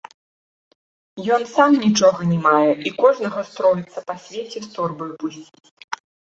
Ён сам нічога не мае і кожнага строіцца па свеце з торбаю пусціць.